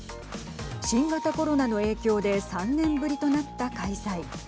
新型コロナの影響で３年ぶりとなった開催。